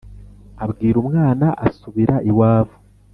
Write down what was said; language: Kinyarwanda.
Abwira umwana asubira iwabo.